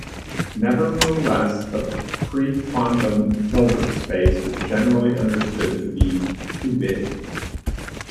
Nevertheless, the prequantum Hilbert space is generally understood to be "too big".